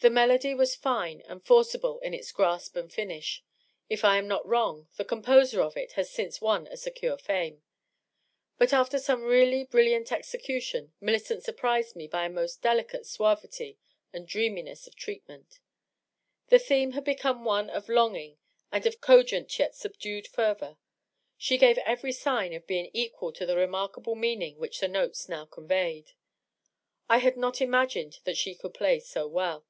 The melody was fine and forcible in its grasp and finish ; if I am not wrong, the composer of it has since won a secure fame. But, after some really brilliant execution, Millicent surprised me by a most delicate suavity and dreaminess of treatment. Tne theme had become one of longing and of cogent yet subdued fervor. She gave every sign of being equal to the remarkable meaning which the notes now conveyed. I had not imagined that she could play so well.